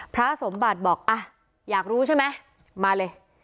พระสมบัติบอกอ่ะอยากรู้ใช่ไหมมาเลย